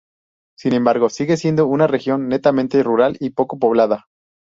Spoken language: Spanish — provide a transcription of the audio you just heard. Sin embargo, sigue siendo una región netamente rural y poco poblada.